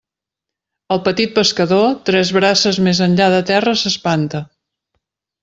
El petit pescador, tres braces més enllà de terra s'espanta.